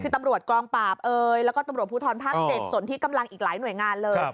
คือตำรวจกองปราบเอ่ยแล้วก็ตำรวจภูทรภาค๗ส่วนที่กำลังอีกหลายหน่วยงานเลย